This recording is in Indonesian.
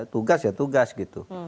tugas ya tugas gitu